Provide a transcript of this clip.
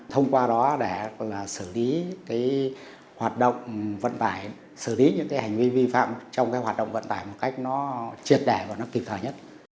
thông qua đó để xử lý hoạt động vận tải xử lý những hành vi vi phạm trong hoạt động vận tải một cách triệt đẻ và kịp thời nhất